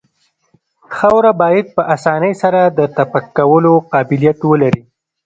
خاوره باید په اسانۍ سره د تپک کولو قابلیت ولري